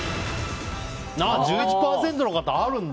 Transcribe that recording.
１１％の方はあるんだ。